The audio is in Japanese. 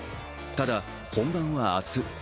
ただ、本番は明日。